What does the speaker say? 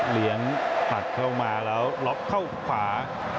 เหรียญตัดเข้ามาแล้วล็อกเข้าขวา